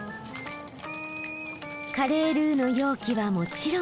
カレールーの容器はもちろん。